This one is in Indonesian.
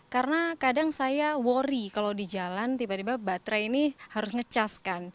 karena kadang saya worry kalau di jalan tiba tiba baterai ini harus nge charge kan